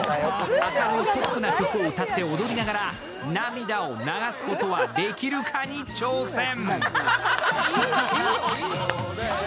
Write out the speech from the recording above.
明るいポップな曲を歌って踊りながら涙を流すことはできるかに挑戦。